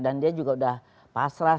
dan dia juga udah pasrah